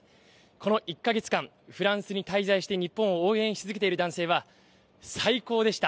この１か月間、フランスに滞在して日本を応援し続けている男性は、最高でした。